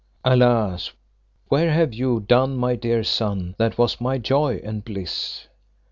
Alas, where have ye done my dear son that was my joy and bliss?